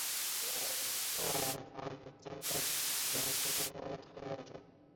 多带黄皮坚螺是中国的特有物种。